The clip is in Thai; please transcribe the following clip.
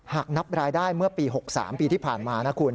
หากนับรายได้เมื่อปี๖๓ปีที่ผ่านมานะคุณ